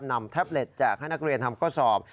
แท็บเล็ตแจกให้นักเรียนทำข้อสอบ